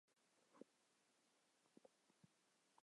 生前收藏被贫困的子孙典卖殆尽。